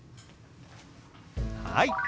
はい。